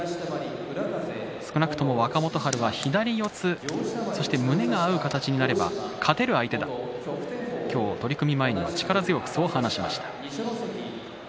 少なくとも若元春は左四つそして胸が合う形になれば勝てる相手だ今日、取組前には力強くそう話しました。